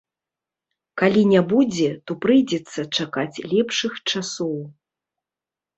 Калі не будзе, то прыйдзецца чакаць лепшых часоў.